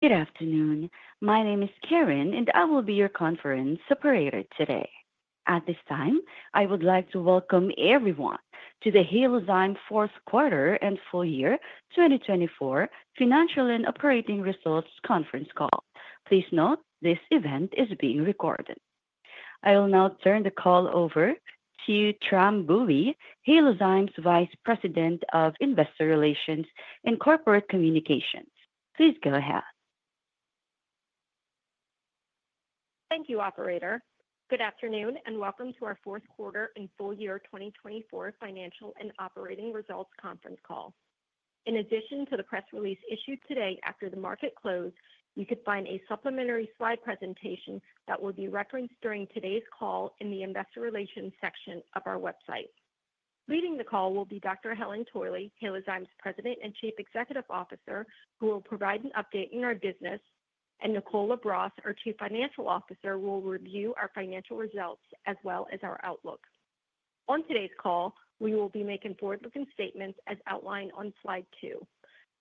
Good afternoon. My name is Karen, and I will be your conference operator today. At this time, I would like to welcome everyone to the Halozyme Q4 and Full Year 2024 Financial and Operating Results Conference Call. Please note this event is being recorded. I will now turn the call over to Tram Bui, Halozyme's Vice President of Investor Relations and Corporate Communications. Please go ahead. Thank you, Operator. Good afternoon and welcome to our Q4 and Full Year 2024 Financial and Operating Results Conference Call. In addition to the press release issued today after the market closed, you can find a supplementary slide presentation that will be referenced during today's call in the Investor Relations section of our website. Leading the call will be Dr. Helen Torley, Halozyme's President and Chief Executive Officer, who will provide an update on our business, and Nicole LaBrosse, our Chief Financial Officer, who will review our financial results as well as our outlook. On today's call, we will be making forward-looking statements as outlined on slide two.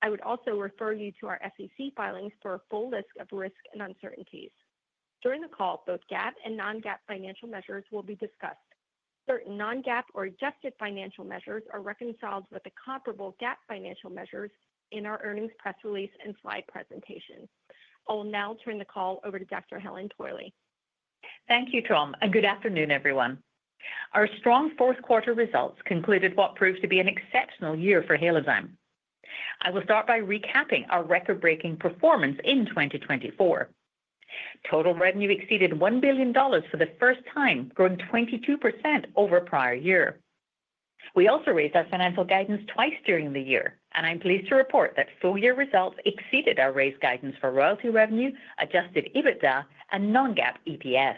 I would also refer you to our SEC filings for a full list of risks and uncertainties. During the call, both GAAP and non-GAAP financial measures will be discussed. Certain non-GAAP or adjusted financial measures are reconciled with the comparable GAAP financial measures in our earnings press release and slide presentation. I will now turn the call over to Dr. Helen Torley. Thank you, Tram, and good afternoon, everyone. Our strong Q4 results concluded what proved to be an exceptional year for Halozyme. I will start by recapping our record-breaking performance in 2024. Total revenue exceeded $1 billion for the first time, growing 22% over a prior year. We also raised our financial guidance twice during the year, and I'm pleased to report that full-year results exceeded our raised guidance for royalty revenue, Adjusted EBITDA, and Non-GAAP EPS.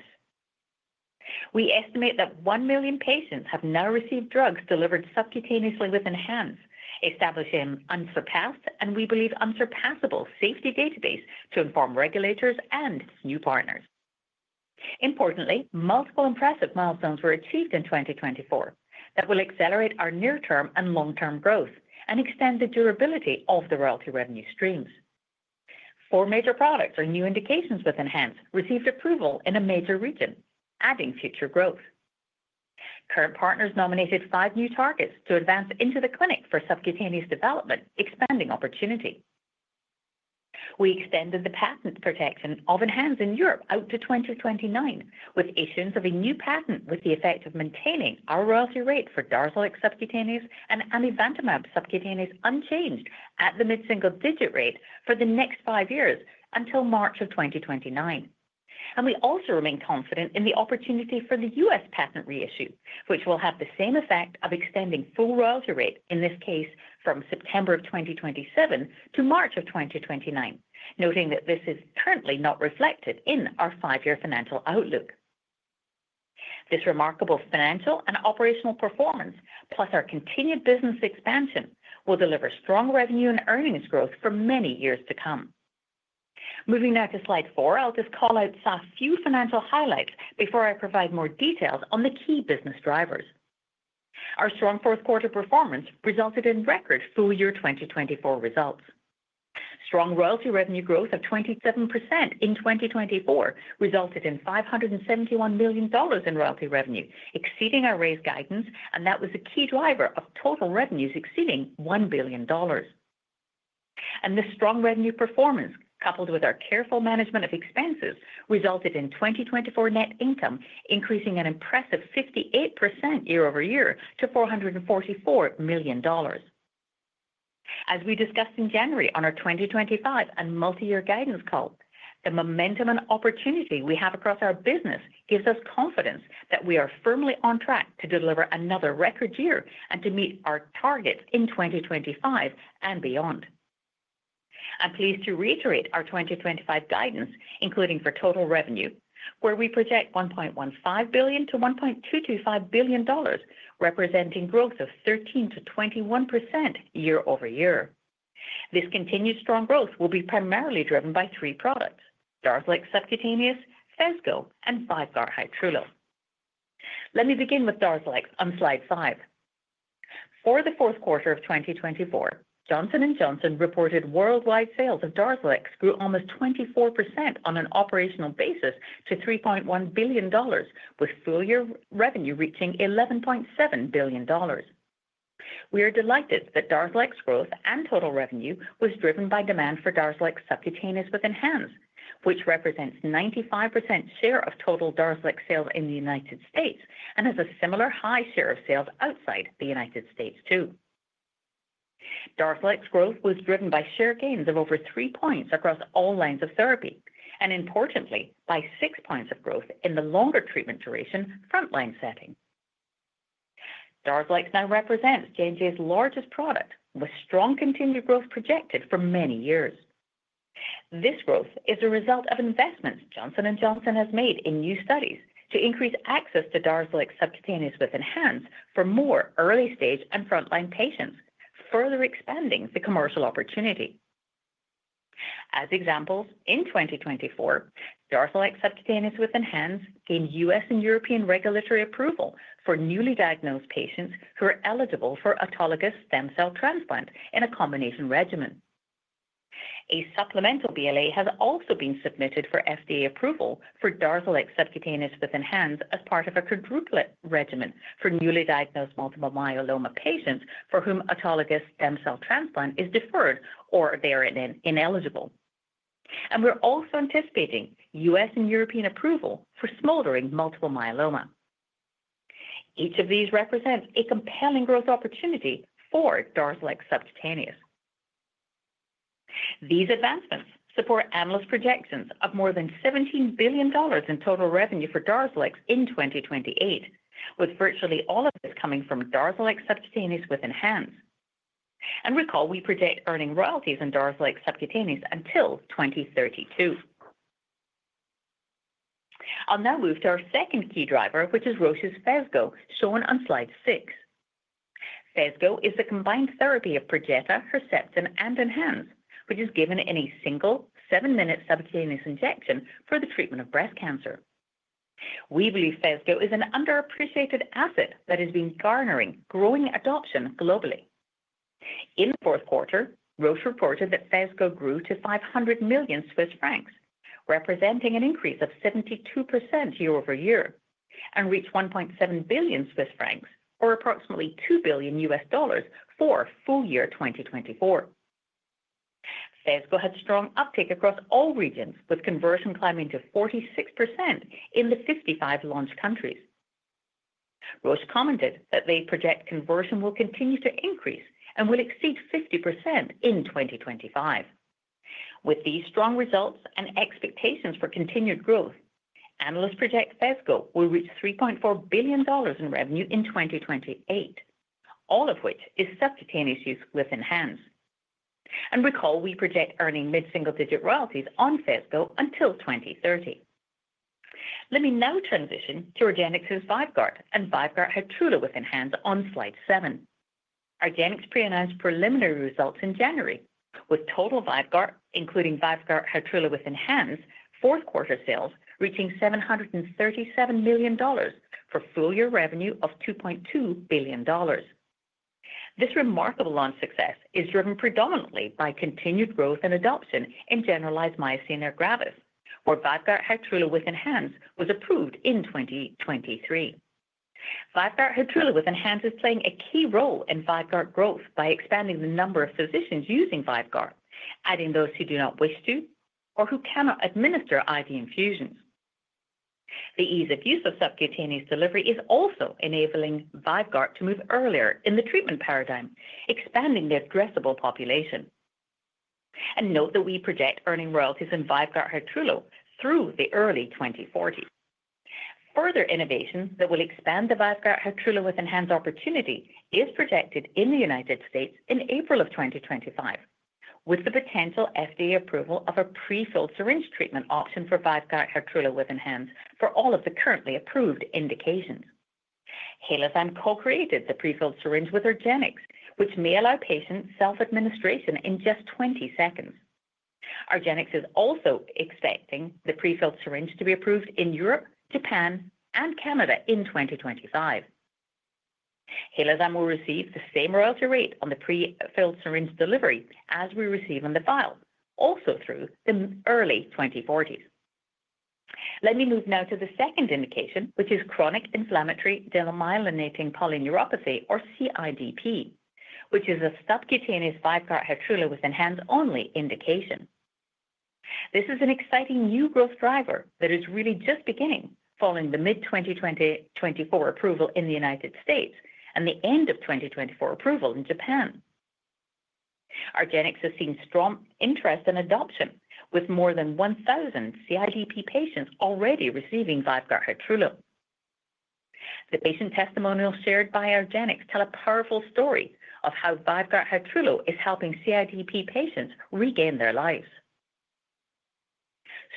We estimate that one million patients have now received drugs delivered subcutaneously with ENHANZE, establishing an unsurpassed and, we believe, unsurpassable safety database to inform regulators and new partners. Importantly, multiple impressive milestones were achieved in 2024 that will accelerate our near-term and long-term growth and extend the durability of the royalty revenue streams. Four major products or new indications with ENHANZE received approval in a major region, adding future growth. Current partners nominated five new targets to advance into the clinic for subcutaneous development, expanding opportunity. We extended the patent protection of ENHANZE in Europe out to 2029 with issuance of a new patent with the effect of maintaining our royalty rate for Darzalex subcutaneous and amivantamab subcutaneous unchanged at the mid-single-digit rate for the next five years until March of 2029, and we also remain confident in the opportunity for the U.S. patent reissue, which will have the same effect of extending full royalty rate, in this case, from September of 2027 to March of 2029, noting that this is currently not reflected in our five-year financial outlook. This remarkable financial and operational performance, plus our continued business expansion, will deliver strong revenue and earnings growth for many years to come. Moving now to slide four, I'll just call out a few financial highlights before I provide more details on the key business drivers. Our strong Q4 performance resulted in record full-year 2024 results. Strong royalty revenue growth of 27% in 2024 resulted in $571 million in royalty revenue, exceeding our raised guidance, and that was a key driver of total revenues exceeding $1 billion, and this strong revenue performance, coupled with our careful management of expenses, resulted in 2024 Net Income increasing an impressive 58% year-over-year to $444 million. As we discussed in January on our 2025 and multi-year guidance call, the momentum and opportunity we have across our business gives us confidence that we are firmly on track to deliver another record year and to meet our targets in 2025 and beyond. I'm pleased to reiterate our 2025 guidance, including for total revenue, where we project $1.15 billion-$1.225 billion, representing growth of 13%-21% year-over-year. This continued strong growth will be primarily driven by three products: Darzalex subcutaneous, Phesgo, and VYVGART Hytrulo. Let me begin with Darzalex on slide five. For the Q4 of 2024, Johnson & Johnson reported worldwide sales of Darzalex grew almost 24% on an operational basis to $3.1 billion, with full-year revenue reaching $11.7 billion. We are delighted that Darzalex growth and total revenue was driven by demand for Darzalex subcutaneous ENHANZE, which represents a 95% share of total Darzalex sales in the United States and has a similar high share of sales outside the United States too. Darzalex growth was driven by share gains of over three points across all lines of therapy, and importantly, by six points of growth in the longer treatment duration front-line setting. Darzalex now represents J&J's largest product, with strong continued growth projected for many years. This growth is a result of investments Johnson & Johnson has made in new studies to increase access to Darzalex subcutaneous ENHANZE for more early-stage and front-line patients, further expanding the commercial opportunity. As examples, in 2024, Darzalex subcutaneous ENHANZE gained U.S. and European regulatory approval for newly diagnosed patients who are eligible for autologous stem cell transplant in a combination regimen. A supplemental BLA has also been submitted for FDA approval for Darzalex subcutaneous ENHANZE as part of a quadruplet regimen for newly diagnosed multiple myeloma patients for whom autologous stem cell transplant is deferred or they are ineligible. We're also anticipating U.S. and European approval for smoldering multiple myeloma. Each of these represents a compelling growth opportunity for Darzalex subcutaneous. These advancements support analyst projections of more than $17 billion in total revenue for Darzalex in 2028, with virtually all of this coming from Darzalex subcutaneous with ENHANZE. Recall, we predict earning royalties in Darzalex subcutaneous until 2032. I'll now move to our second key driver, which is Roche's Phesgo, shown on slide six. Phesgo is the combined therapy of Perjeta, Herceptin, and ENHANZE, which is given in a single seven-minute subcutaneous injection for the treatment of breast cancer. We believe Phesgo is an underappreciated asset that is garnering growing adoption globally. In the Q4, Roche reported that Phesgo grew to 500 million Swiss francs, representing an increase of 72% year-over-year, and reached 1.7 billion Swiss francs, or approximately $2 billion for full year 2024. Phesgo had strong uptake across all regions, with conversion climbing to 46% in the 55 launch countries. Roche commented that they project conversion will continue to increase and will exceed 50% in 2025. With these strong results and expectations for continued growth, analysts project Phesgo will reach $3.4 billion in revenue in 2028, all of which is subcutaneous use ENHANZE. And recall, we project earning mid-single digit royalties on Phesgo until 2030. Let me now transition to Argenx's VYVGART and VYVGART Hytrulo ENHANZE on slide seven. Argenx pre-announced preliminary results in January, with total VYVGART, including VYVGART Hytrulo ENHANZE, Q4 sales reaching $737 million for full-year revenue of $2.2 billion. This remarkable launch success is driven predominantly by continued growth and adoption in generalized myasthenia gravis, where VYVGART Hytrulo ENHANZE was approved in 2023. VYVGART Hytrulo ENHANZE is playing a key role in VYVGART growth by expanding the number of physicians using VYVGART, adding those who do not wish to or who cannot administer IV infusions. The ease of use of subcutaneous delivery is also enabling VYVGART to move earlier in the treatment paradigm, expanding the addressable population. And note that we project earning royalties in VYVGART Hytrulo through the early 2040. Further innovations that will expand the VYVGART Hytrulo ENHANZE opportunity is projected in the United States in April of 2025, with the potential FDA approval of a prefilled syringe treatment option for VYVGART Hytrulo ENHANZE for all of the currently approved indications. Halozyme co-created the prefilled syringe with Argenx, which may allow patients self-administration in just 20 seconds. Argenx is also expecting the prefilled syringe to be approved in Europe, Japan, and Canada in 2025. Halozyme will receive the same royalty rate on the prefilled syringe delivery as we receive on the vial, also through the early 2040s. Let me move now to the second indication, which is chronic inflammatory demyelinating polyneuropathy, or CIDP, which is a subcutaneous VYVGART Hytrulo ENHANZE only indication. This is an exciting new growth driver that is really just beginning, following the mid-2024 approval in the United States and the end of 2024 approval in Japan. Argenx has seen strong interest in adoption, with more than 1,000 CIDP patients already receiving VYVGART Hytrulo. The patient testimonials shared by Argenx tell a powerful story of how VYVGART Hytrulo is helping CIDP patients regain their lives.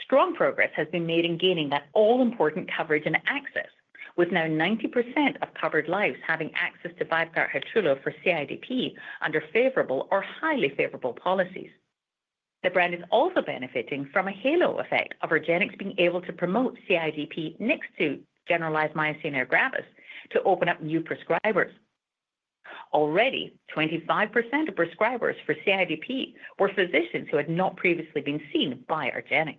Strong progress has been made in gaining that all-important coverage and access, with now 90% of covered lives having access to VYVGART Hytrulo for CIDP under favorable or highly favorable policies. The brand is also benefiting from a halo effect of Argenx being able to promote CIDP next to generalized myasthenia gravis to open up new prescribers. Already, 25% of prescribers for CIDP were physicians who had not previously been seen by Argenx.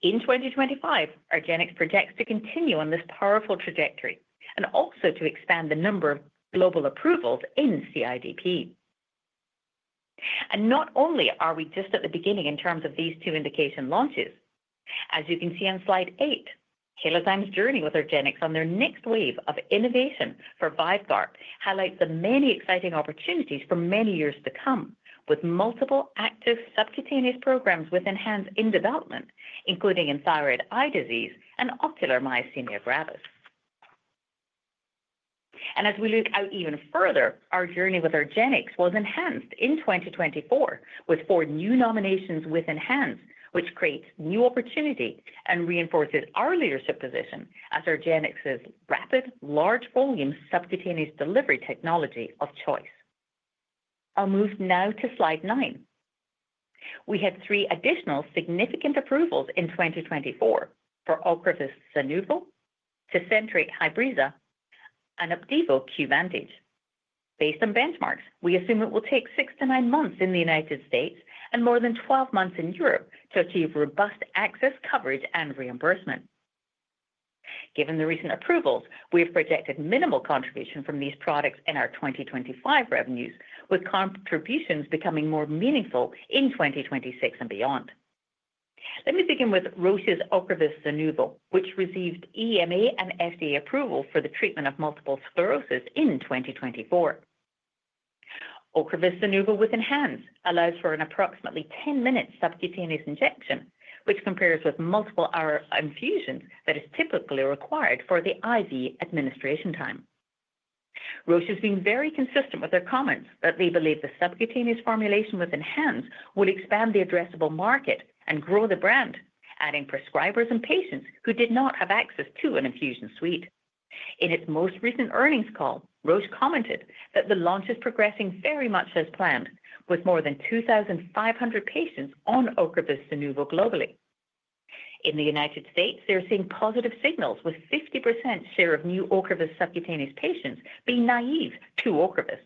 In 2025, Argenx projects to continue on this powerful trajectory and also to expand the number of global approvals in CIDP, and not only are we just at the beginning in terms of these two indication launches. As you can see on slide eight, Halozyme's journey with Argenx on their next wave of innovation for VYVGART highlights the many exciting opportunities for many years to come, with multiple active subcutaneous programs ENHANZE in development, including in thyroid eye disease and ocular myasthenia gravis, and as we look out even further, our journey with Argenx was enhanced in 2024 with four new nominations ENHANZE, which creates new opportunity and reinforces our leadership position as Argenx's rapid, large-volume subcutaneous delivery technology of choice. I'll move now to slide nine. We had three additional significant approvals in 2024 for Ocrevus Zunovo, Tecentriq Hybreza, and Opdivo subcutaneous. Based on benchmarks, we assume it will take six to nine months in the United States and more than 12 months in Europe to achieve robust access, coverage, and reimbursement. Given the recent approvals, we have projected minimal contribution from these products in our 2025 revenues, with contributions becoming more meaningful in 2026 and beyond. Let me begin with Roche's Ocrevus Zunovo, which received EMA and FDA approval for the treatment of multiple sclerosis in 2024. Ocrevus Zunovo ENHANZE allows for an approximately 10-minute subcutaneous injection, which compares with multiple hour infusions that are typically required for the IV administration time. Roche has been very consistent with their comments that they believe the subcutaneous formulation ENHANZE will expand the addressable market and grow the brand, adding prescribers and patients who did not have access to an infusion suite. In its most recent Earnings Call, Roche commented that the launch is progressing very much as planned, with more than 2,500 patients on Ocrevus Zunovo globally. In the United States, they are seeing positive signals, with 50% share of new Ocrevus subcutaneous patients being naive to Ocrevus.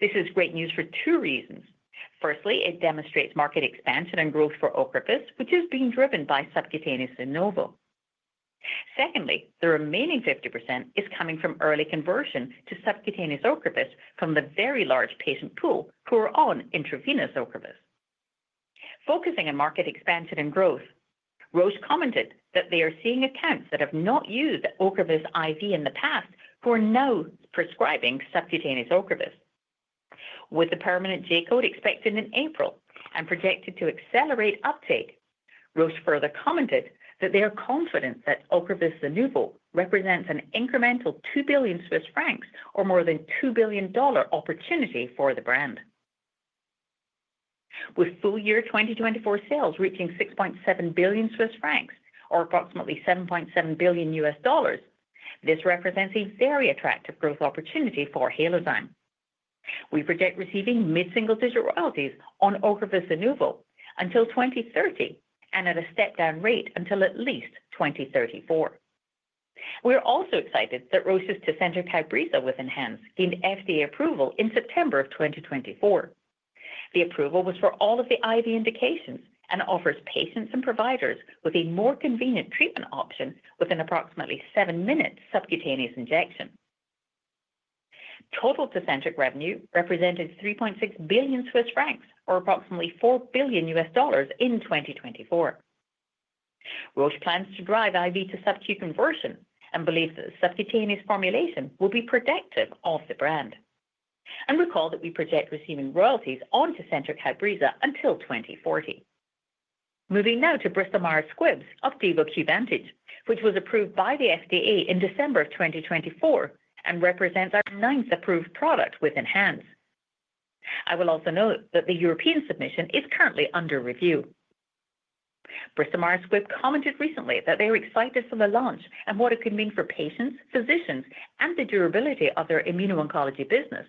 This is great news for two reasons. Firstly, it demonstrates market expansion and growth for Ocrevus, which is being driven by subcutaneous Zunovo. Secondly, the remaining 50% is coming from early conversion to subcutaneous Ocrevus from the very large patient pool who are on intravenous Ocrevus. Focusing on market expansion and growth, Roche commented that they are seeing accounts that have not used Ocrevus IV in the past who are now prescribing subcutaneous Ocrevus. With the permanent J-code expected in April and projected to accelerate uptake, Roche further commented that they are confident that Ocrevus Zunovo represents an incremental 2 billion Swiss francs, or more than $2 billion opportunity for the brand. With full year 2024 sales reaching 6.7 billion Swiss francs, or approximately $7.7 billion, this represents a very attractive growth opportunity for Halozyme. We project receiving mid-single digit royalties on Ocrevus Zunovo until 2030 and at a step-down rate until at least 2034. We are also excited that Roche's Tecentriq Hybreza ENHANZE gained FDA approval in September of 2024. The approval was for all of the IV indications and offers patients and providers with a more convenient treatment option with an approximately seven minute subcutaneous injection. Total Tecentriq revenue represented 3.6 billion Swiss francs, or approximately $4 billion in 2024. Roche plans to drive IV to subcutaneous conversion and believes that the subcutaneous formulation will be protective of the brand. Recall that we project receiving royalties on Tecentriq Hybreza until 2040. Moving now to Bristol-Myers Squibb's Opdivo subcutaneous, which was approved by the FDA in December of 2024 and represents our ninth approved product ENHANZE. I will also note that the European submission is currently under review. Bristol-Myers Squibb commented recently that they are excited from the launch and what it could mean for patients, physicians, and the durability of their immuno-oncology business,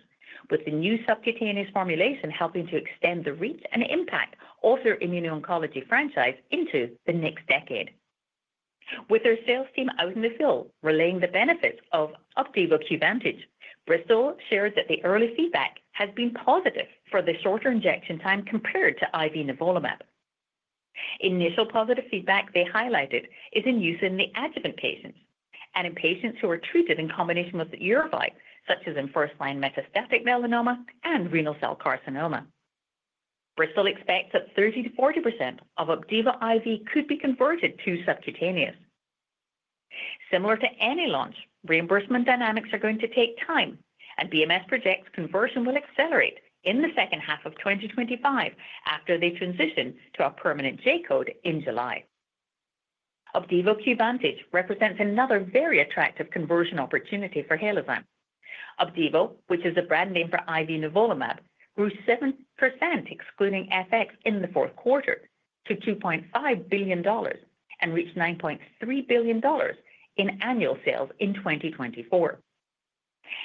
with the new subcutaneous formulation helping to extend the reach and impact of their immuno-oncology franchise into the next decade. With their sales team out in the field relaying the benefits of Opdivo subcutaneous, Bristol shared that the early feedback has been positive for the shorter injection time compared to IV nivolumab. Initial positive feedback they highlighted is in use in the adjuvant patients and in patients who are treated in combination with Yervoy, such as in first-line metastatic melanoma and renal cell carcinoma. Bristol expects that 30%-40% of Opdivo IV could be converted to subcutaneous. Similar to any launch, reimbursement dynamics are going to take time, and BMS projects conversion will accelerate in the second half of 2025 after they transition to a permanent J-code in July. Opdivo subcutaneous represents another very attractive conversion opportunity for Halozyme. Opdivo, which is the brand name for IV nivolumab, grew 7% excluding FX in the Q4 to $2.5 billion and reached $9.3 billion in annual sales in 2024.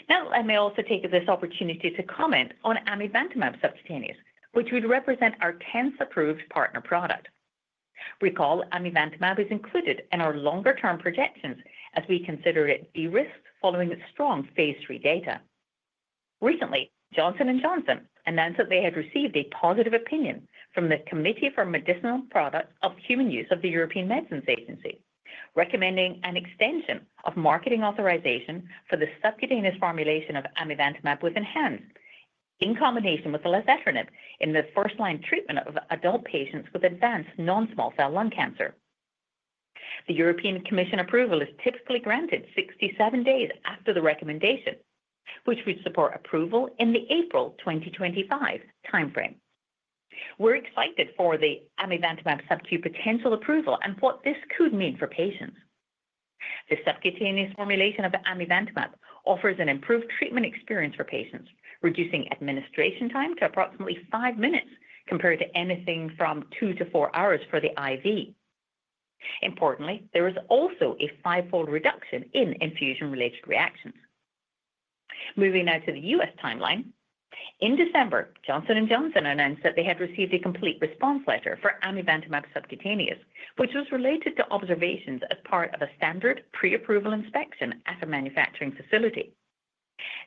Now, let me also take this opportunity to comment on amivantamab subcutaneous, which would represent our 10th approved partner product. Recall, amivantamab is included in our longer-term projections as we consider it de-risked following strong phase III data. Recently, Johnson & Johnson announced that they had received a positive opinion from the Committee for Medicinal Products for Human Use of the European Medicines Agency, recommending an extension of marketing authorization for the subcutaneous formulation of amivantamab with ENHANZE in combination with lazertinib in the first-line treatment of adult patients with advanced non-small cell lung cancer. The European Commission approval is typically granted 67 days after the recommendation, which would support approval in the April 2025 timeframe. We're excited for the amivantamab subcutaneous potential approval and what this could mean for patients. The subcutaneous formulation of amivantamab offers an improved treatment experience for patients, reducing administration time to approximately five minutes compared to anything from two to four hours for the IV. Importantly, there is also a five-fold reduction in infusion-related reactions. Moving now to the U.S. timeline. In December, Johnson & Johnson announced that they had received a complete response letter for amivantamab subcutaneous, which was related to observations as part of a standard pre-approval inspection at a manufacturing facility.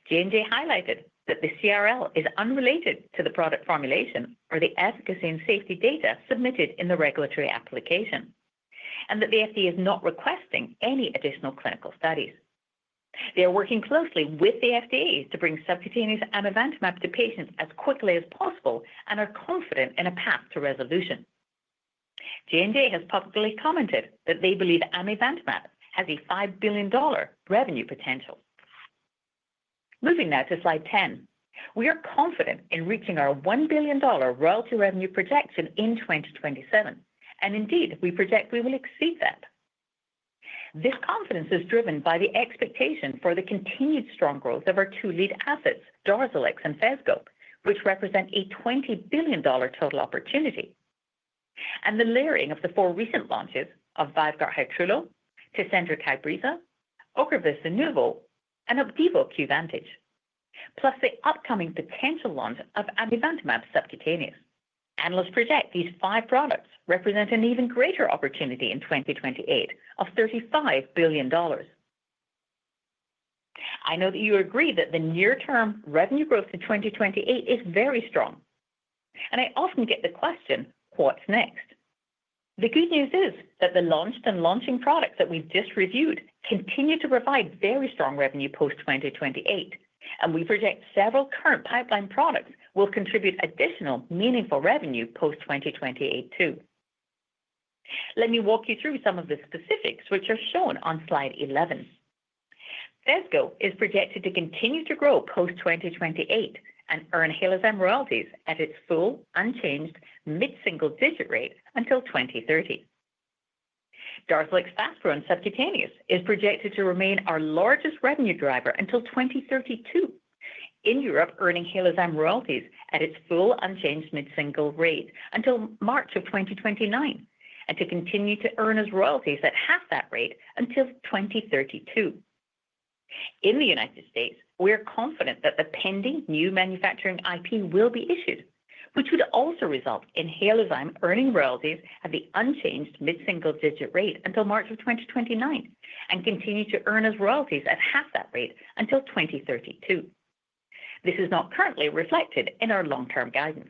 J&J highlighted that the CRL is unrelated to the product formulation or the efficacy and safety data submitted in the regulatory application, and that the FDA is not requesting any additional clinical studies. They are working closely with the FDA to bring subcutaneous amivantamab to patients as quickly as possible and are confident in a path to resolution. J&J has publicly commented that they believe amivantamab has a $5 billion revenue potential. Moving now to slide 10. We are confident in reaching our $1 billion royalty revenue projection in 2027, and indeed, we project we will exceed that. This confidence is driven by the expectation for the continued strong growth of our two lead assets, Darzalex and Phesgo, which represent a $20 billion total opportunity, and the layering of the four recent launches of VYVGART Hytrulo, Tecentriq Hybreza, Ocrevus Zunovo, and Opdivo subcutaneous, plus the upcoming potential launch of amivantamab subcutaneous. Analysts project these five products represent an even greater opportunity in 2028 of $35 billion. I know that you agree that the near-term revenue growth in 2028 is very strong, and I often get the question, "What's next?" The good news is that the launched and launching products that we've just reviewed continue to provide very strong revenue post-2028, and we project several current pipeline products will contribute additional meaningful revenue post-2028 too. Let me walk you through some of the specifics which are shown on slide 11. Phesgo is projected to continue to grow post-2028 and earn Halozyme royalties at its full, unchanged mid-single digit rate until 2030. Darzalex Faspro subcutaneous is projected to remain our largest revenue driver until 2032, in Europe earning Halozyme royalties at its full, unchanged mid-single rate until March of 2029, and to continue to earn royalties at half that rate until 2032. In the United States, we are confident that the pending new manufacturing IP will be issued, which would also result in Halozyme earning royalties at the unchanged mid-single digit rate until March of 2029 and continue to earn royalties at half that rate until 2032. This is not currently reflected in our long-term guidance.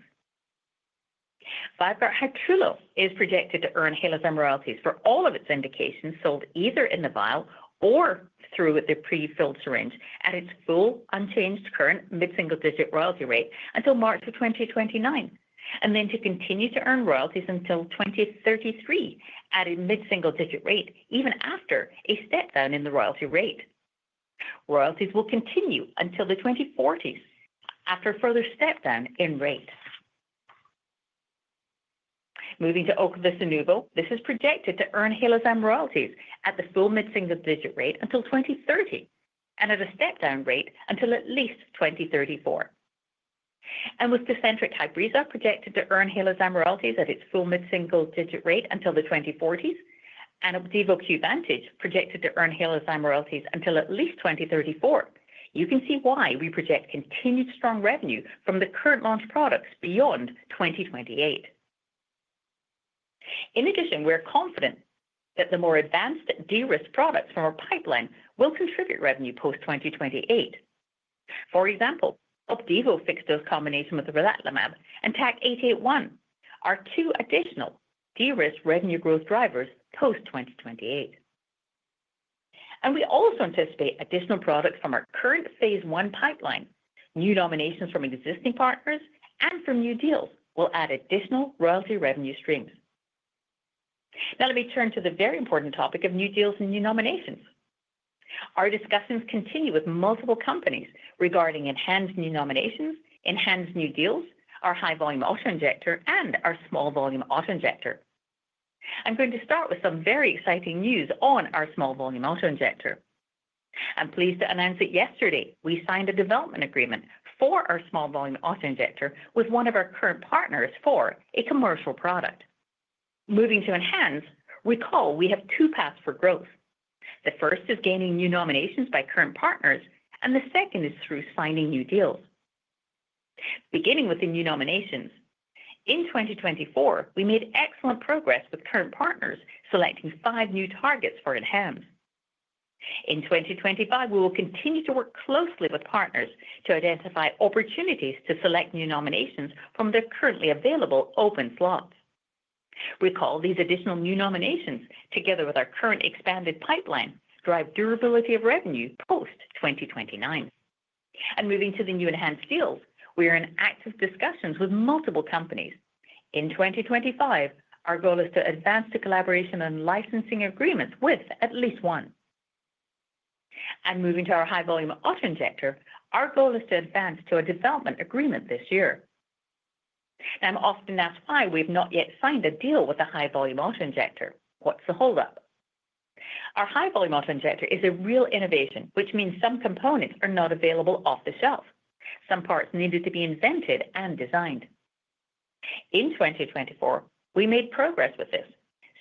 VYVGART Hytrulo is projected to earn Halozyme royalties for all of its indications sold either in the vial or through the prefilled syringe at its full, unchanged current mid-single digit royalty rate until March of 2029, and then to continue to earn royalties until 2033 at a mid-single digit rate, even after a step-down in the royalty rate. Royalties will continue until the 2040s after a further step-down in rate. Moving to Ocrevus Zunovo, this is projected to earn Halozyme royalties at the full mid-single digit rate until 2030 and at a step-down rate until at least 2034. And with Tecentriq Hybreza projected to earn Halozyme royalties at its full mid-single digit rate until the 2040s and Opdivo subcutaneous projected to earn Halozyme royalties until at least 2034, you can see why we project continued strong revenue from the current launch products beyond 2028. In addition, we're confident that the more advanced de-risk products from our pipeline will contribute revenue post-2028. For example, Opdivo fixed-dose combination with the relatlimab and TAC-881 are two additional de-risk revenue growth drivers post-2028. And we also anticipate additional products from our current phase I pipeline, new nominations from existing partners, and from new deals will add additional royalty revenue streams. Now, let me turn to the very important topic of new deals and new nominations. Our discussions continue with multiple companies regarding ENHANZE new nominations, ENHANZE new deals, our high-volume auto-injector, and our small-volume auto-injector. I'm going to start with some very exciting news on our small-volume auto-injector. I'm pleased to announce that yesterday we signed a development agreement for our small-volume auto-injector with one of our current partners for a commercial product. Moving to ENHANZE, recall we have two paths for growth. The first is gaining new nominations by current partners, and the second is through finding new deals. Beginning with the new nominations, in 2024, we made excellent progress with current partners selecting five new targets for ENHANZE. In 2025, we will continue to work closely with partners to identify opportunities to select new nominations from their currently available open slots. Recall these additional new nominations, together with our current expanded pipeline, drive durability of revenue post-2029. And moving to the new ENHANZE deals, we are in active discussions with multiple companies. In 2025, our goal is to advance the collaboration and licensing agreements with at least one. And moving to our high-volume auto-injector, our goal is to advance to a development agreement this year. I'm often asked why we have not yet signed a deal with a high-volume auto-injector. What's the holdup? Our high-volume auto-injector is a real innovation, which means some components are not available off the shelf. Some parts needed to be invented and designed. In 2024, we made progress with this,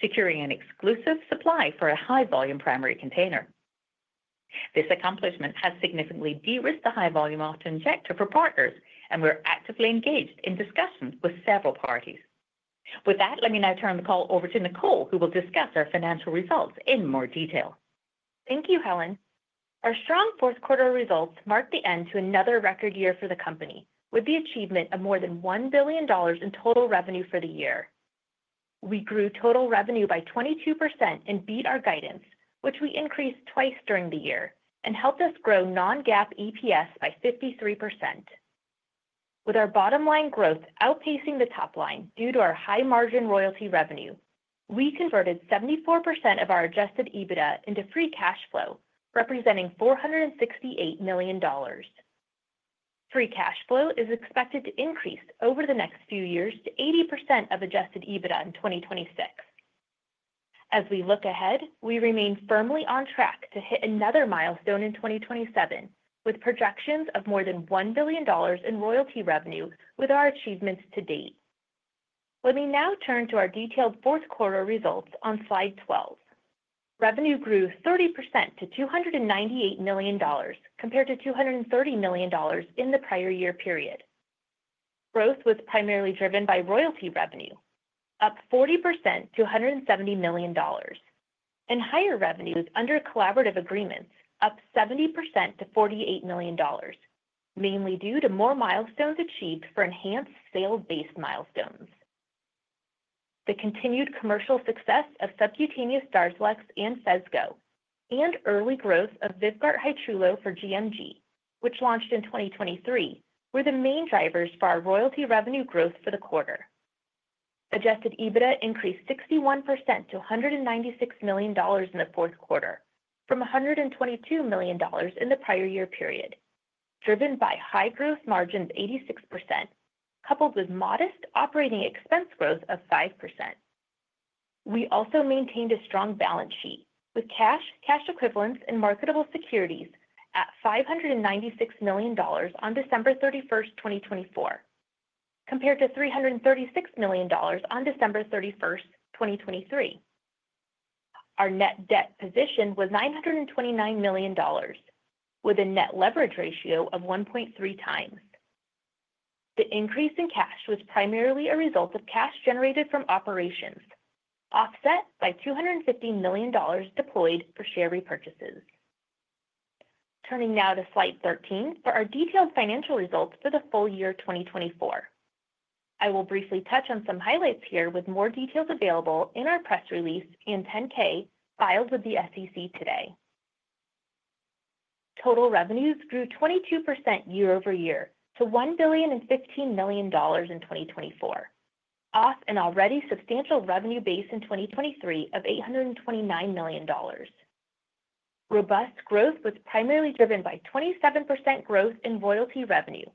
securing an exclusive supply for a high-volume primary container. This accomplishment has significantly de-risked the high-volume auto-injector for partners, and we're actively engaged in discussions with several parties. With that, let me now turn the call over to Nicole, who will discuss our financial results in more detail. Thank you, Helen. Our strong fourth-quarter results marked the end to another record year for the company with the achievement of more than $1 billion in total revenue for the year. We grew total revenue by 22% and beat our guidance, which we increased twice during the year and helped us grow non-GAAP EPS by 53%. With our bottom-line growth outpacing the top line due to our high-margin royalty revenue, we converted 74% of our Adjusted EBITDA into free cash flow, representing $468 million. Free cash flow is expected to increase over the next few years to 80% of Adjusted EBITDA in 2026. As we look ahead, we remain firmly on track to hit another milestone in 2027 with projections of more than $1 billion in royalty revenue with our achievements to date. Let me now turn to our detailed fourth-quarter results on slide 12. Revenue grew 30% to $298 million compared to $230 million in the prior year period. Growth was primarily driven by royalty revenue, up 40% to $170 million, and higher revenues under collaborative agreements, up 70% to $48 million, mainly due to more milestones achieved for enhanced sales-based milestones. The continued commercial success of subcutaneous Darzalex and Phesgo and early growth of VYVGART Hytrulo for gMG, which launched in 2023, were the main drivers for our royalty revenue growth for the quarter. Adjusted EBITDA increased 61% to $196 million in the Q4 from $122 million in the prior year period, driven by high gross margins of 86%, coupled with modest operating expense growth of 5%. We also maintained a strong balance sheet with cash, cash equivalents, and marketable securities at $596 million on 31 December 2024, compared to $336 million on 31 December 2023. Our net debt position was $929 million, with a net leverage ratio of 1.3x. The increase in cash was primarily a result of cash generated from operations, offset by $250 million deployed for share repurchases. Turning now to slide 13 for our detailed financial results for the full year 2024. I will briefly touch on some highlights here with more details available in our press release and 10-K filed with the SEC today. Total revenues grew 22% year-over-year to $1 billion and $15 million in 2024, off an already substantial revenue base in 2023 of $829 million. Robust growth was primarily driven by 27% growth in royalty revenue,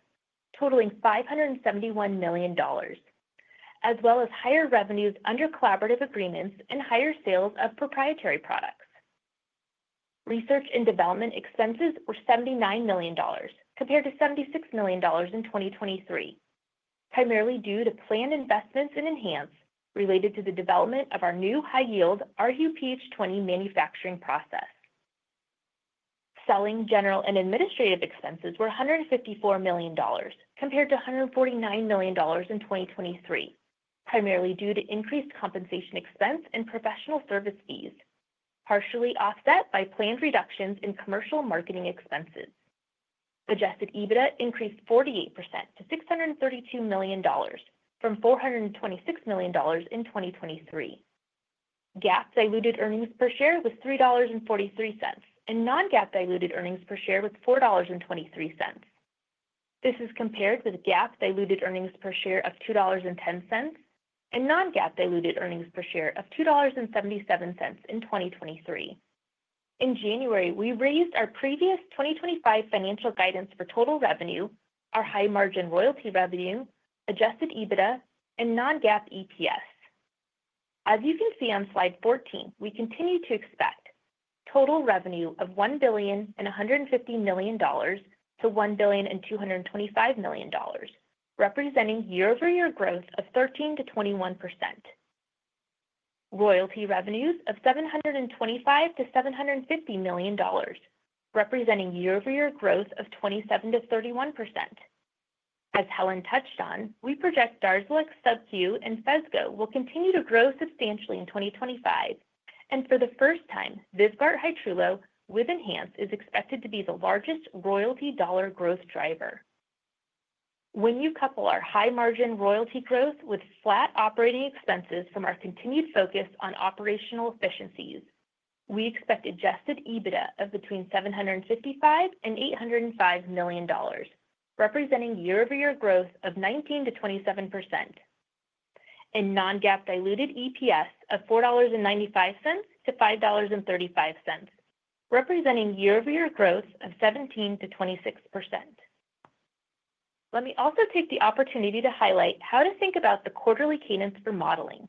totaling $571 million, as well as higher revenues under collaborative agreements and higher sales of proprietary products. Research and development expenses were $79 million, compared to $76 million in 2023, primarily due to planned investments in ENHANZE related to the development of our new high-yield rHuPH20 manufacturing process. Selling, general and administrative expenses were $154 million, compared to $149 million in 2023, primarily due to increased compensation expense and professional service fees, partially offset by planned reductions in commercial marketing expenses. Adjusted EBITDA increased 48% to $632 million from $426 million in 2023. GAAP diluted earnings per share was $3.43, and non-GAAP diluted earnings per share was $4.23. This is compared with GAAP diluted earnings per share of $2.10 and non-GAAP diluted earnings per share of $2.77 in 2023. In January, we raised our previous 2025 financial guidance for total revenue, our high-margin royalty revenue, adjusted EBITDA, and non-GAAP EPS. As you can see on Slide 14, we continue to expect total revenue of $1 billion and $150 million to $1 billion and $225 million, representing year-over-year growth of 13%-21%. Royalty revenues of $725 million-$750 million, representing year-over-year growth of 27%-31%. As Helen touched on, we project Darzalex SubQ and Phesgo will continue to grow substantially in 2025, and for the first time, VYVGART Hytrulo with ENHANZE is expected to be the largest royalty dollar growth driver. When you couple our high-margin royalty growth with flat operating expenses from our continued focus on operational efficiencies, we expect Adjusted EBITDA of between $755 million and $805 million, representing year-over-year growth of 19%-27%, and non-GAAP diluted EPS of $4.95-$5.35, representing year-over-year growth of 17%-26%. Let me also take the opportunity to highlight how to think about the quarterly cadence for modeling.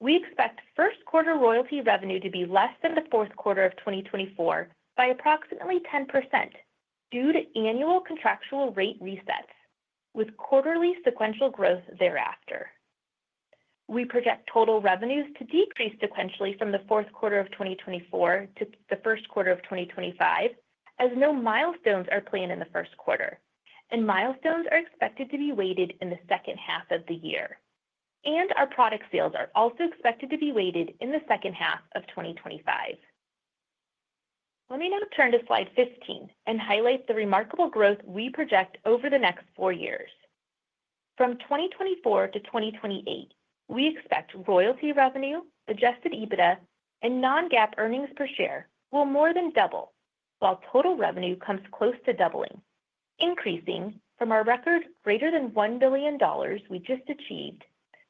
We expect first-quarter royalty revenue to be less than the Q4 of 2024 by approximately 10% due to annual contractual rate resets, with quarterly sequential growth thereafter. We project total revenues to decrease sequentially from the Q4 of 2024 to the Q1 of 2025, as no milestones are planned in the Q1, and milestones are expected to be weighted in the second half of the year. And our product sales are also expected to be weighted in the second half of 2025. Let me now turn to slide 15 and highlight the remarkable growth we project over the next four years. From 2024 to 2028, we expect royalty revenue, Adjusted EBITDA, and Non-GAAP earnings per share will more than double, while total revenue comes close to doubling, increasing from our record greater than $1 billion we just achieved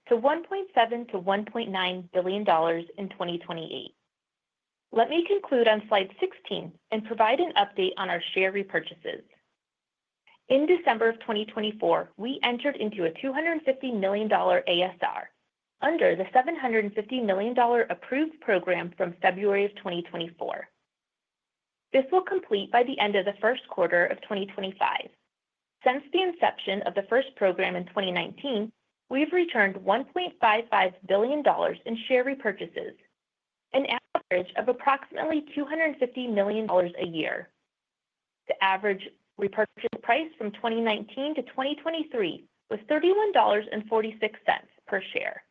to $1.7 billion- $1.9 billion in 2028. Let me conclude on slide 16 and provide an update on our share repurchases. In December of 2024, we entered into a $250 million ASR under the $750 million approved program from February of 2024. This will complete by the end of the Q1 of 2025. Since the inception of the first program in 2019, we've returned $1.55 billion in share repurchases, an average of approximately $250 million a year. The average repurchase price from 2019 to 2023 was $31.46 per share.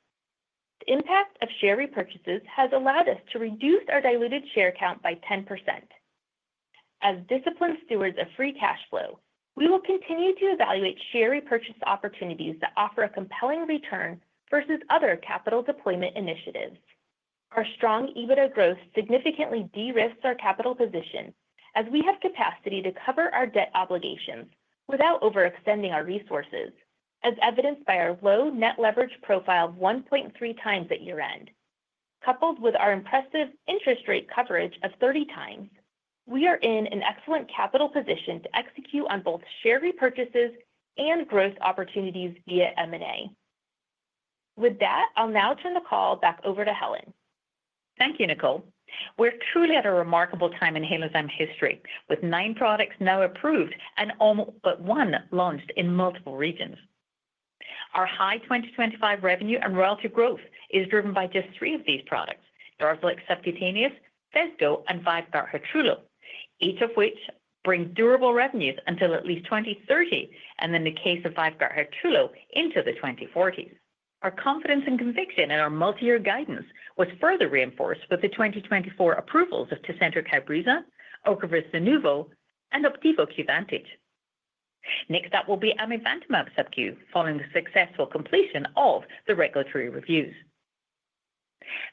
The impact of share repurchases has allowed us to reduce our diluted share count by 10%. As disciplined stewards of free cash flow, we will continue to evaluate share repurchase opportunities that offer a compelling return versus other capital deployment initiatives. Our strong EBITDA growth significantly de-risks our capital position, as we have capacity to cover our debt obligations without overextending our resources, as evidenced by our low net leverage profile of 1.3x at year-end. Coupled with our impressive interest rate coverage of 30x, we are in an excellent capital position to execute on both share repurchases and growth opportunities via M&A. With that, I'll now turn the call back over to Helen. Thank you, Nicole. We're truly at a remarkable time in Halozyme history, with nine products now approved and almost but one launched in multiple regions. Our high 2025 revenue and royalty growth is driven by just three of these products: Darzalex subcutaneous, Phesgo, and VYVGART Hytrulo, each of which brings durable revenues until at least 2030, and in the case of VYVGART Hytrulo, into the 2040s. Our confidence and conviction in our multi-year guidance was further reinforced with the 2024 approvals of Tecentriq Hybreza, Ocrevus Zunovo, and Opdivo subcutaneous. Next up will be amivantamab subcutaneous, following the successful completion of the regulatory reviews.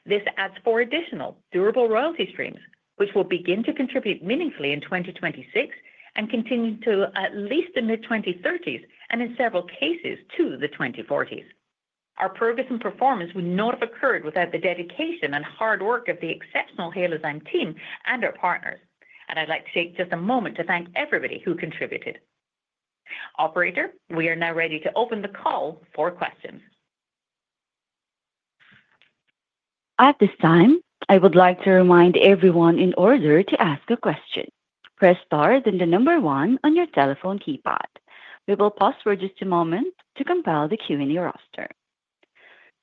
This adds four additional durable royalty streams, which will begin to contribute meaningfully in 2026 and continue to at least the mid-2030s and, in several cases, to the 2040s. Our progress and performance would not have occurred without the dedication and hard work of the exceptional Halozyme team and our partners. And I'd like to take just a moment to thank everybody who contributed. Operator, we are now ready to open the call for questions. At this time, I would like to remind everyone in order to ask a question, press stars and the number one on your telephone keypad. We will pause for just a moment to compile the Q&A roster.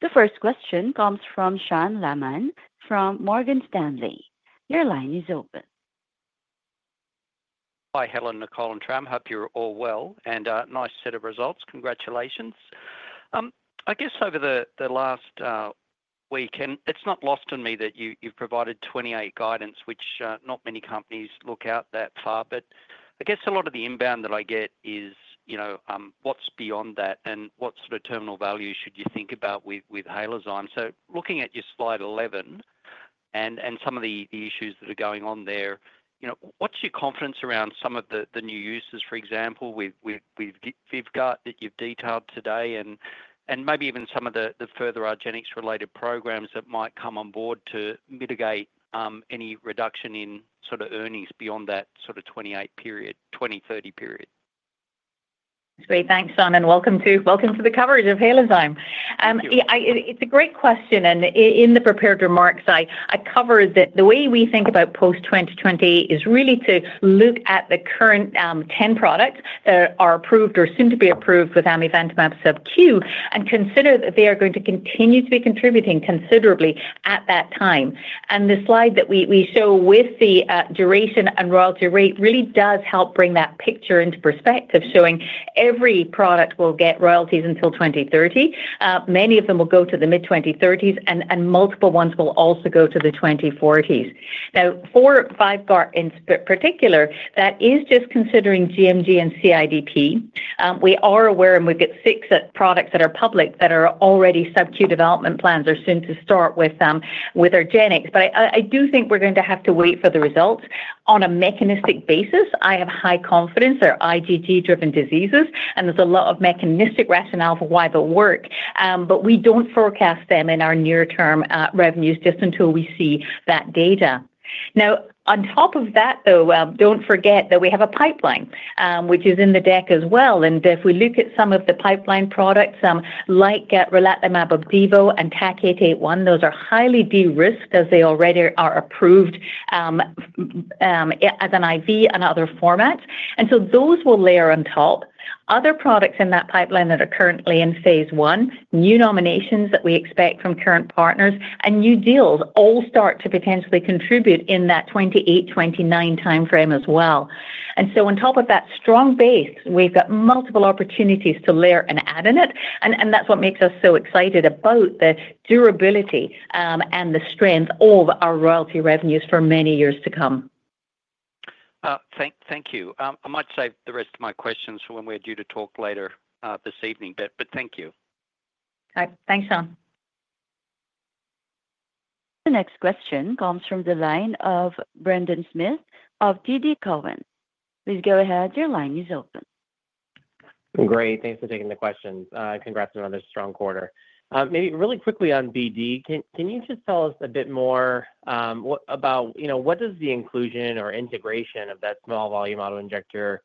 The first question comes from Shawn Kim from Morgan Stanley. Your line is open. Hi, Helen, Nicole, and Tram. I hope you're all well and a nice set of results. Congratulations. I guess over the last week, and it's not lost on me that you've provided 2028 guidance, which not many companies look out that far, but I guess a lot of the inbound that I get is, you know, what's beyond that and what sort of terminal value should you think about with Halozyme? So looking at your slide 11 and some of the issues that are going on there, you know, what's your confidence around some of the new uses, for example, with VYVGART that you've detailed today and maybe even some of the further Argenx-related programs that might come on board to mitigate any reduction in sort of earnings beyond that sort of 2030 period? Great. Thanks, Shawn. Welcome to the coverage of Halozyme. It's a great question. And in the prepared remarks, I covered that the way we think about post-2028 is really to look at the current 10 products that are approved or soon to be approved with amivantamab SubQ and consider that they are going to continue to be contributing considerably at that time. And the slide that we show with the duration and royalty rate really does help bring that picture into perspective, showing every product will get royalties until 2030. Many of them will go to the mid-2030s, and multiple ones will also go to the 2040s. Now, for VYVGART in particular, that is just considering gMG and CIDP. We are aware, and we've got six products that are public that are already SubQ development plans are soon to start with Argenx. But I do think we're going to have to wait for the results. On a mechanistic basis, I have high confidence there are IgG-driven diseases, and there's a lot of mechanistic rationale for why they'll work, but we don't forecast them in our near-term revenues just until we see that data. Now, on top of that, though, don't forget that we have a pipeline, which is in the deck as well. And if we look at some of the pipeline products like relatlimab, Opdivo, and TAC-881, those are highly de-risked as they already are approved as an IV and other formats. And so those will layer on top. Other products in that pipeline that are currently in phase I, new nominations that we expect from current partners, and new deals all start to potentially contribute in that 28-29 timeframe as well. And so on top of that strong base, we've got multiple opportunities to layer and add in it. That's what makes us so excited about the durability and the strength of our royalty revenues for many years to come. Thank you. I might save the rest of my questions for when we're due to talk later this evening, but thank you. Thanks, Shawn. The next question comes from the line of Brendan Smith of TD Cowen. Please go ahead. Your line is open. Great. Thanks for taking the question. Congrats on another strong quarter. Maybe really quickly on BD, can you just tell us a bit more about what does the inclusion or integration of that small-volume auto-injector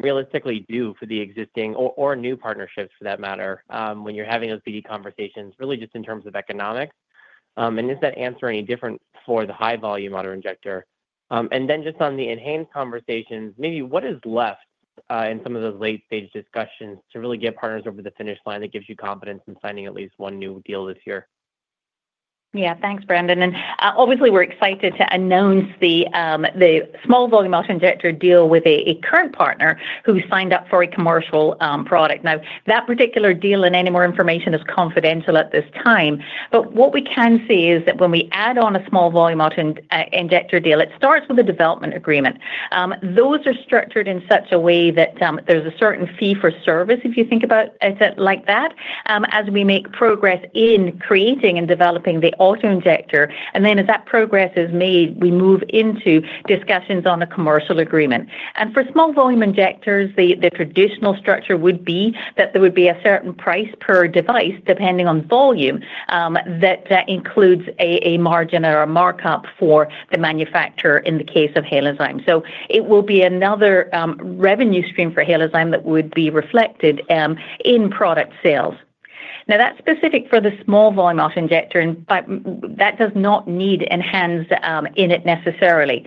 realistically do for the existing or new partnerships, for that matter, when you're having those BD conversations, really just in terms of economics? And is that answer any different for the high-volume auto-injector? And then just on the ENHANZE conversations, maybe what is left in some of those late-stage discussions to really get partners over the finish line that gives you confidence in signing at least one new deal this year? Yeah. Thanks, Brendan. And obviously, we're excited to announce the small-volume auto-injector deal with a current partner who signed up for a commercial product. Now, that particular deal and any more information is confidential at this time. But what we can see is that when we add on a small-volume auto-injector deal, it starts with a development agreement. Those are structured in such a way that there's a certain fee for service if you think about it like that as we make progress in creating and developing the auto-injector. And then as that progress is made, we move into discussions on the commercial agreement. And for small-volume auto-injectors, the traditional structure would be that there would be a certain price per device depending on volume that includes a margin or a markup for the manufacturer in the case of Halozyme. So it will be another revenue stream for Halozyme that would be reflected in product sales. Now, that's specific for the small-volume auto-injector, and that does not need ENHANZE in it necessarily.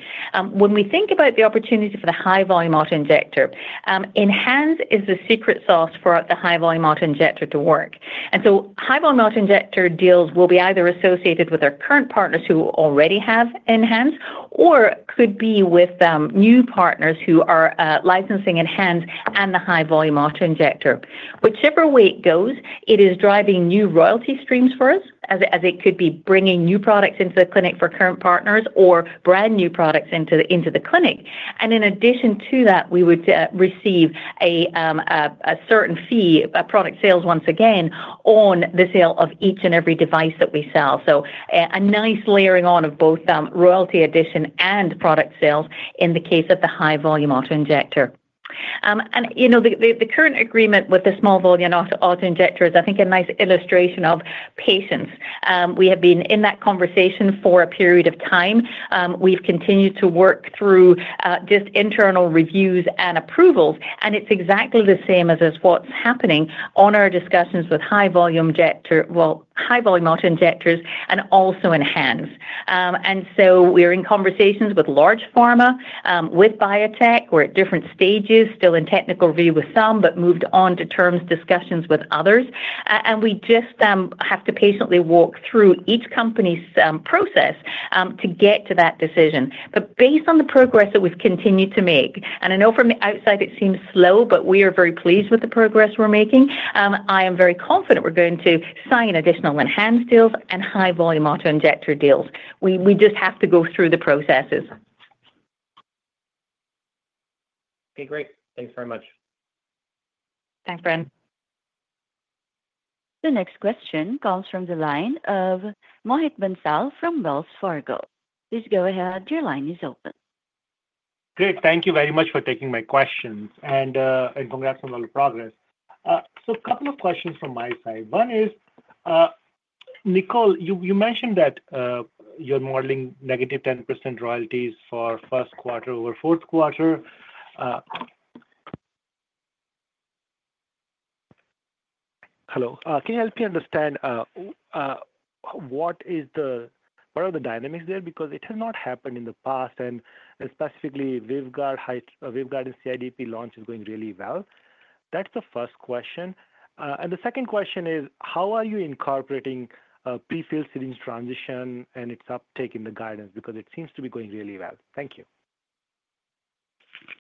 When we think about the opportunity for the high-volume auto-injector, ENHANZE is the secret sauce for the high-volume auto-injector to work. And so high-volume auto-injector deals will be either associated with our current partners who already have ENHANZE or could be with new partners who are licensing ENHANZE and the high-volume auto-injector. Whichever way it goes, it is driving new royalty streams for us, as it could be bringing new products into the clinic for current partners or brand new products into the clinic. And in addition to that, we would receive a certain fee of product sales once again on the sale of each and every device that we sell. So a nice layering on of both royalty addition and product sales in the case of the high-volume auto-injector. And the current agreement with the small-volume auto-injector is, I think, a nice illustration of patience. We have been in that conversation for a period of time. We've continued to work through just internal reviews and approvals. And it's exactly the same as what's happening on our discussions with high-volume auto-injectors and also ENHANZE. And so we're in conversations with large pharma with biotech. We're at different stages, still in technical review with some, but moved on to terms discussions with others. And we just have to patiently walk through each company's process to get to that decision. But based on the progress that we've continued to make, and I know from the outside it seems slow, but we are very pleased with the progress we're making. I am very confident we're going to sign additional ENHANZE deals and high-volume auto-injector deals. We just have to go through the processes. Okay. Great. Thanks very much. Thanks, Brendan. The next question comes from the line of Mohit Bansal from Wells Fargo. Please go ahead. Your line is open. Great. Thank you very much for taking my questions and congrats on all the progress. So a couple of questions from my side. One is, Nicole, you mentioned that you're modeling negative 10% royalties for Q1 over Q4. Hello. Can you help me understand what are the dynamics there? Because it has not happened in the past, and specifically VYVGART and CIDP launch is going really well. That's the first question. And the second question is, how are you incorporating prefilled syringe transition and its uptake in the guidance? Because it seems to be going really well. Thank you.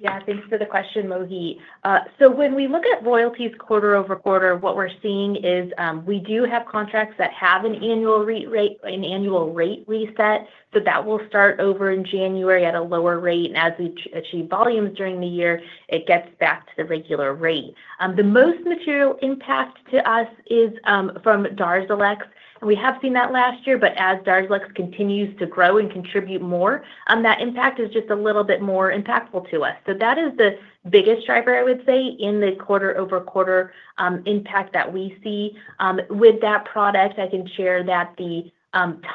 Yeah. Thanks for the question, Mohit. So when we look at royalties quarter-over-quarter, what we're seeing is we do have contracts that have an annual rate reset. So that will start over in January at a lower rate. And as we achieve volumes during the year, it gets back to the regular rate. The most material impact to us is from Darzalex. We have seen that last year, but as Darzalex continues to grow and contribute more, that impact is just a little bit more impactful to us. So that is the biggest driver, I would say, in the quarter-over-quarter impact that we see. With that product, I can share that the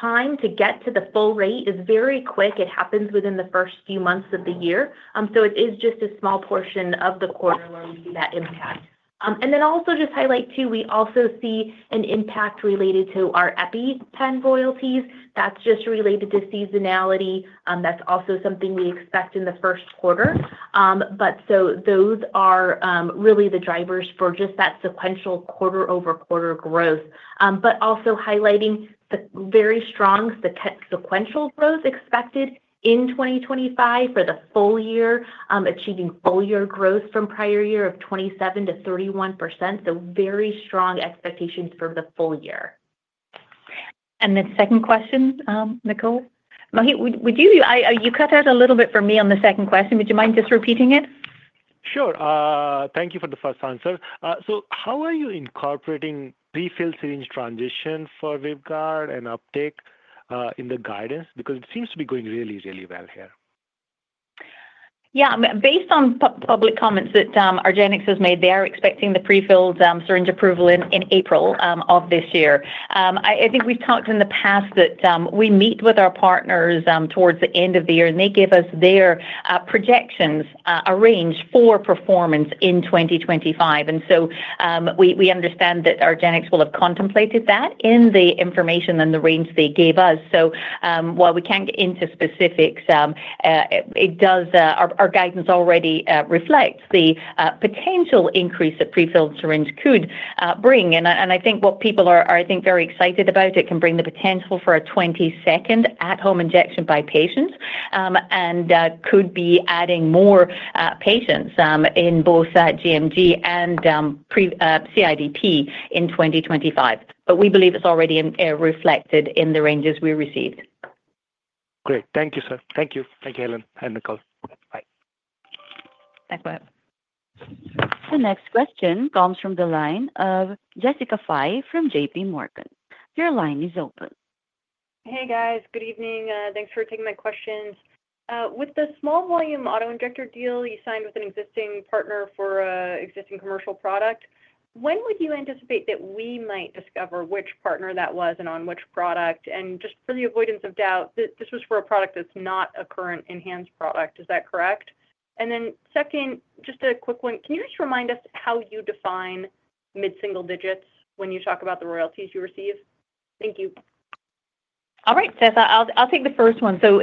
time to get to the full rate is very quick. It happens within the first few months of the year. So it is just a small portion of the quarter where we see that impact. And then also just highlight too, we also see an impact related to our EPI plan royalties. That's just related to seasonality. That's also something we expect in the Q1. But so those are really the drivers for just that sequential quarter-over-quarter growth, but also highlighting the very strong sequential growth expected in 2025 for the full year, achieving full year growth from prior year of 27%-31%. So very strong expectations for the full year. And the second question, Nicole? Mohit, you cut out a little bit for me on the second question. Would you mind just repeating it? Sure. Thank you for the first answer. So how are you incorporating prefilled syringe transition for VYVGART and uptake in the guidance? Because it seems to be going really, really well here. Yeah. Based on public comments that Argenx has made, they are expecting the prefilled syringe approval in April of this year. I think we've talked in the past that we meet with our partners towards the end of the year, and they give us their projections, a range for performance in 2025. And so we understand that Argenx will have contemplated that in the information and the range they gave us. So while we can't get into specifics, our guidance already reflects the potential increase that prefilled syringe could bring. And I think what people are, I think, very excited about, it can bring the potential for a second at-home injection by patients and could be adding more patients in both gMG and CIDP in 2025. But we believe it's already reflected in the ranges we received. Great. Thank you, sir. Thank you. Thank you, Helen and Nicole. Bye. Thanks, Mohit. The next question comes from the line of Jessica Fye from JP Morgan. Your line is open. Hey, guys. Good evening. Thanks for taking my questions. With the small-volume auto-injector deal you signed with an existing partner for an existing commercial product, when would you anticipate that we might discover which partner that was and on which product? And just for the avoidance of doubt, this was for a product that's not a current enhanced product. Is that correct? And then second, just a quick one. Can you just remind us how you define mid-single digits when you talk about the royalties you receive? Thank you. All right. So I'll take the first one. So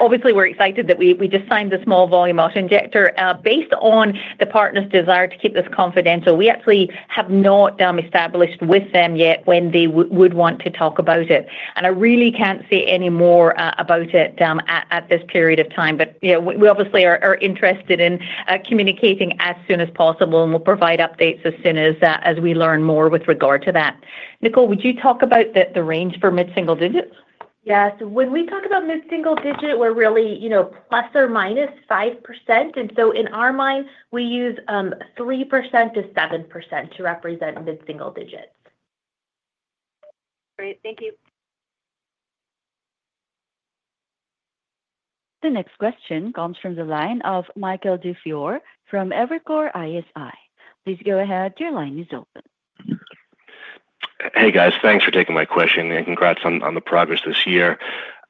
obviously, we're excited that we just signed the small-volume auto-injector. Based on the partner's desire to keep this confidential, we actually have not established with them yet when they would want to talk about it. And I really can't say any more about it at this period of time. But we obviously are interested in communicating as soon as possible, and we'll provide updates as soon as we learn more with regard to that. Nicole, would you talk about the range for mid-single digits? Yeah. So when we talk about mid-single digit, we're really plus or minus 5%. And so in our mind, we use 3%-7% to represent mid-single digits. Great. Thank you. The next question comes from the line of Michael DiFiore from Evercore ISI. Please go ahead. Your line is open. Hey, guys. Thanks for taking my question and congrats on the progress this year.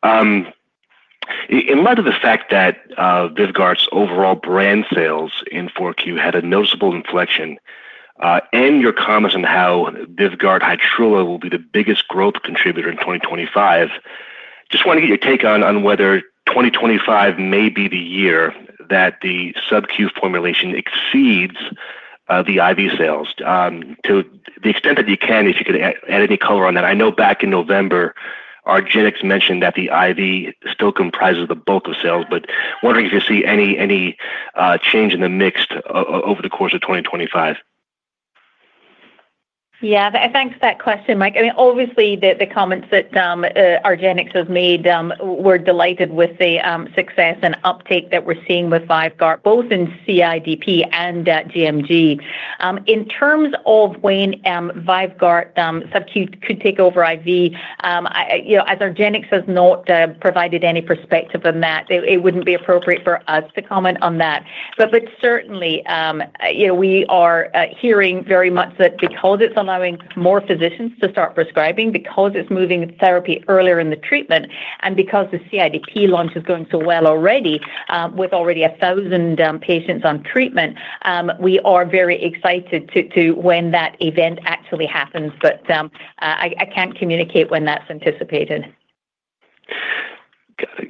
In light of the fact that VYVGART's overall brand sales in Q4 had a noticeable inflection and your comments on how VYVGART Hytrulo will be the biggest growth contributor in 2025, just want to get your take on whether 2025 may be the year that the sub-Q formulation exceeds the IV sales. To the extent that you can, if you could add any color on that. I know back in November, Argenx mentioned that the IV still comprises the bulk of sales, but wondering if you see any change in the mix over the course of 2025. Yeah. Thanks for that question, Mike. I mean, obviously, the comments that Argenx has made, we're delighted with the success and uptake that we're seeing with VYVGART, both in CIDP and gMG. In terms of when VYVGART sub-Q could take over IV, as Argenx has not provided any perspective on that, it wouldn't be appropriate for us to comment on that. But certainly, we are hearing very much that because it's allowing more physicians to start prescribing, because it's moving therapy earlier in the treatment, and because the CIDP launch is going so well already with 1,000 patients on treatment, we are very excited to when that event actually happens. But I can't communicate when that's anticipated.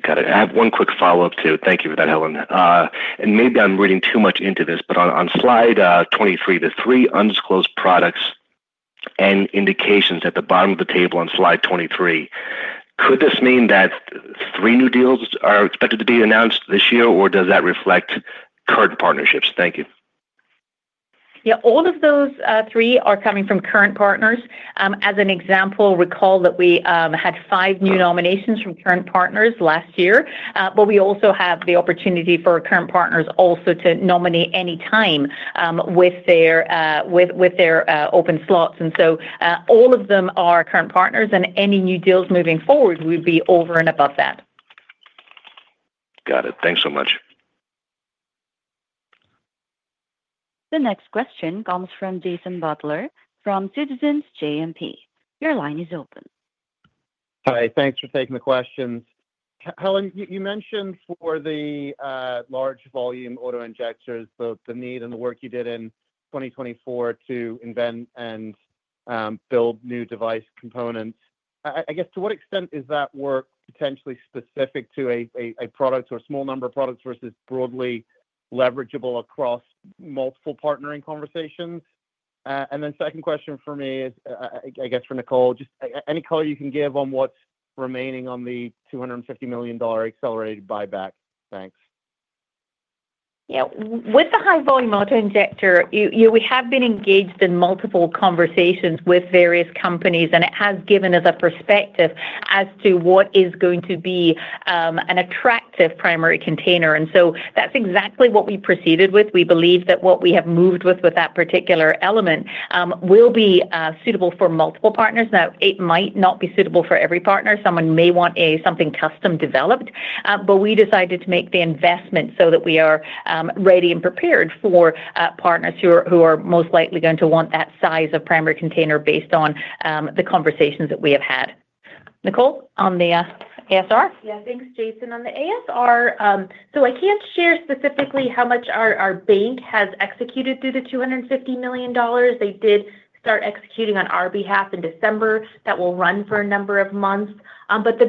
Got it. I have one quick follow-up too. Thank you for that, Helen. And maybe I'm reading too much into this, but on slide 23, the three undisclosed products and indications at the bottom of the table on slide 23, could this mean that three new deals are expected to be announced this year, or does that reflect current partnerships? Thank you. Yeah. All of those three are coming from current partners. As an example, recall that we had five new nominations from current partners last year, but we also have the opportunity for current partners also to nominate any time with their open slots. And so all of them are current partners, and any new deals moving forward would be over and above that. Got it. Thanks so much. The next question comes from Jason Butler from Citizens JMP. Your line is open. Hi. Thanks for taking the questions. Helen, you mentioned for the large-volume auto-injectors, the need and the work you did in 2024 to invent and build new device components. I guess to what extent is that work potentially specific to a product or a small number of products versus broadly leverageable across multiple partnering conversations? And then, second question for me is, I guess for Nicole, just any color you can give on what's remaining on the $250 million accelerated buyback? Thanks. Yeah. With the high-volume auto-injector, we have been engaged in multiple conversations with various companies, and it has given us a perspective as to what is going to be an attractive primary container. And so that's exactly what we proceeded with. We believe that what we have moved with that particular element will be suitable for multiple partners. Now, it might not be suitable for every partner. Someone may want something custom developed, but we decided to make the investment so that we are ready and prepared for partners who are most likely going to want that size of primary container based on the conversations that we have had. Nicole, on the ASR? Yeah. Thanks, Jason. On the ASR, so I can't share specifically how much our bank has executed through the $250 million. They did start executing on our behalf in December. That will run for a number of months. But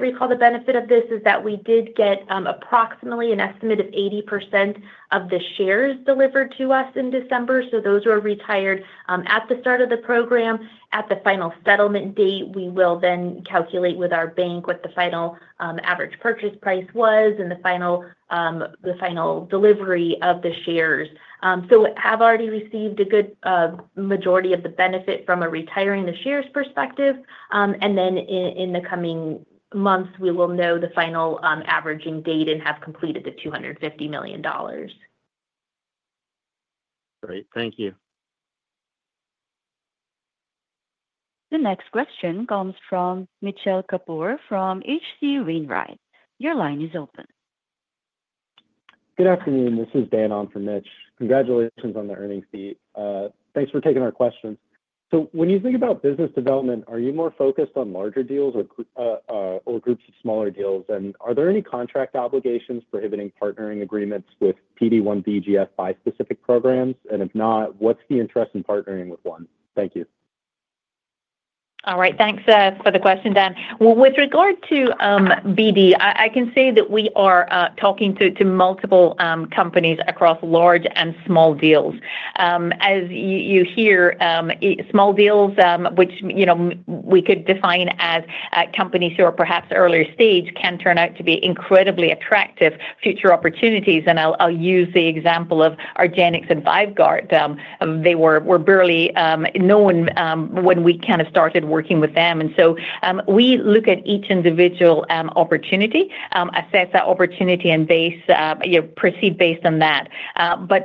recall the benefit of this is that we did get approximately an estimate of 80% of the shares delivered to us in December. So those were retired at the start of the program. At the final settlement date, we will then calculate with our bank what the final average purchase price was and the final delivery of the shares. So we have already received a good majority of the benefit from retiring the shares perspective. And then in the coming months, we will know the final averaging date and have completed the $250 million. Great. Thank you. The next question comes from Mitchell Kapoor from H.C. Wainwright. Your line is open. Good afternoon. This is Dan on for Mitch. Congratulations on the earnings beat. Thanks for taking our questions. So when you think about business development, are you more focused on larger deals or groups of smaller deals? And are there any contract obligations prohibiting partnering agreements with PD-1 bispecific programs? And if not, what's the interest in partnering with one? Thank you. All right. Thanks for the question, Dan. Well, with regard to BD, I can say that we are talking to multiple companies across large and small deals. As you heard, small deals, which we could define as companies who are perhaps earlier stage, can turn out to be incredibly attractive future opportunities. And I'll use the example of Argenx and VYVGART. They were barely known when we kind of started working with them. And so we look at each individual opportunity, assess that opportunity, and proceed based on that. But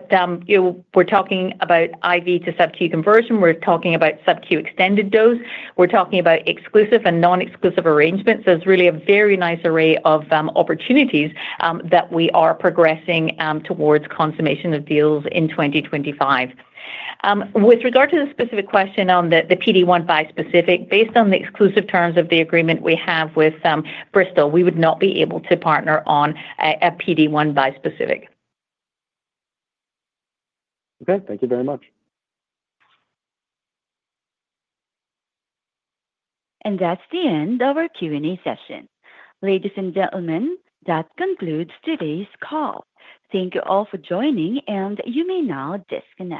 we're talking about IV to sub-Q conversion. We're talking about sub-Q extended dose. We're talking about exclusive and non-exclusive arrangements. So it's really a very nice array of opportunities that we are progressing towards consummation of deals in 2025. With regard to the specific question on the PD-1 bispecific, based on the exclusive terms of the agreement we have with Bristol, we would not be able to partner on a PD-1 bispecific. Okay. Thank you very much. And that's the end of our Q&A session. Ladies and gentlemen, that concludes today's call. Thank you all for joining, and you may now disconnect.